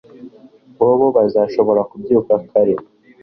Bobo ntazashobora kubyuka kare